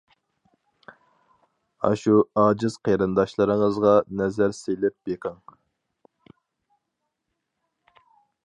ئاشۇ ئاجىز قېرىنداشلىرىڭىزغا نەزەر سېلىپ بېقىڭ.